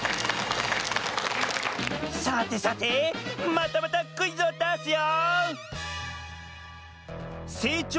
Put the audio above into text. さてさてまたまたクイズをだすよ！